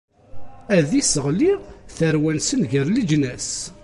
Ad isseɣli tarwa-nsen gar leǧnas.